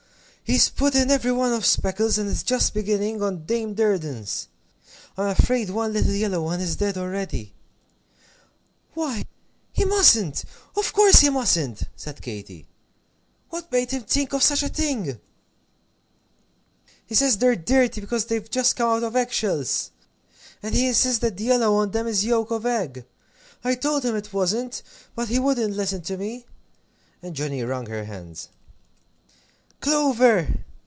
He's put in every one of Speckle's, and is just beginning on Dame Durden's. I'm afraid one little yellow one is dead already " "Why, he mustn't of course he mustn't!" said Katy; "what made him think of such a thing?" "He says they're dirty, because they've just come out of egg shells! And he insists that the yellow on them is yolk of egg. I told him it wasn't, but he wouldn't listen to me." And Johnnie wrung her hands. "Clover!"